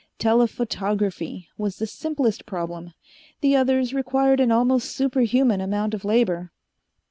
Telephotography was the simplest problem the others required an almost superhuman amount of labor.